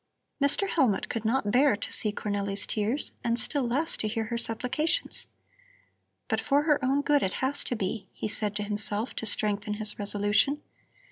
Mr. Hellmut could not bear to see Cornelli's tears and still less to hear her supplications. "But for her own good it has to be," he said to himself to strengthen his resolution.